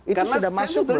itu sudah masuk belum